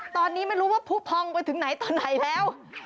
ตอนนี้ไม่รู้ว่าผู้พองไปถึงไหนต่อไหนแล้ว